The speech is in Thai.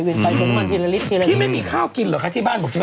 ที่ไม่มีข้าวกินหรอคะที่บ้าน